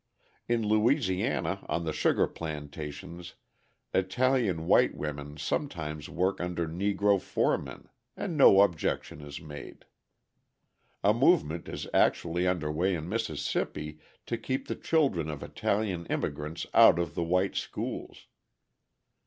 In Louisiana on the sugar plantations Italian white women sometimes work under Negro foremen and no objection is made. A movement is actually under way in Mississippi to keep the children of Italian immigrants out of the white schools.